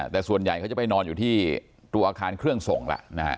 แต่ส่วนใหญ่เขาจะไปนอนอยู่ที่ตัวอาคารเครื่องส่งแล้วนะฮะ